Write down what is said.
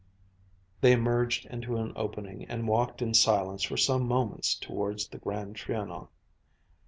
They emerged into an opening and walked in silence for some moments towards the Grand Trianon.